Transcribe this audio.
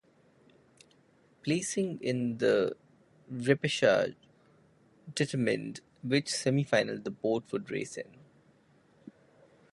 Placing in the repechage determined which semifinal the boat would race in.